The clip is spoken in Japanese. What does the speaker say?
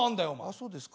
そうですか。